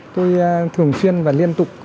tôi thường xuyên và liên tục